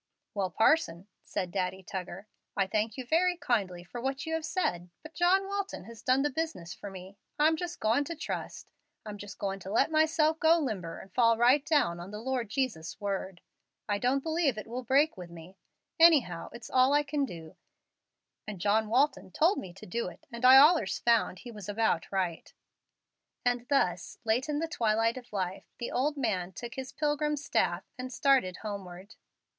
"Well, parson," said Daddy Tuggar, "I thank you very kindly for what you have said, but John Walton has done the business for me. I'm just goin' to trust I'm just goin' to let myself go limber and fall right down on the Lord Jesus' word. I don't believe it will break with me. Anyhow, it's all I can do, and John Walton told me to do it and I allers found he was about right." And thus late in the twilight of life the old man took his pilgrim's staff and started homeward.